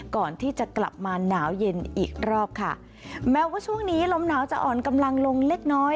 ก่อนที่จะกลับมาหนาวเย็นอีกรอบค่ะแม้ว่าช่วงนี้ลมหนาวจะอ่อนกำลังลงเล็กน้อย